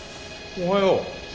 おはよう。